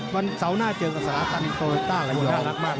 วันเสาร์หน้าเจอกับศาลตาลตีนตัวด้านหลายอย่าง